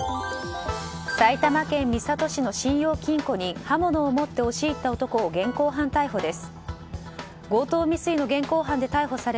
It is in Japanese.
埼玉県三郷市の信用金庫に刃物を持って押し入った男を現行犯逮捕です。